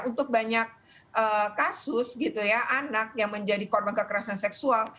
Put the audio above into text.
untuk banyak kasus gitu ya anak yang menjadi korban kekerasan seksual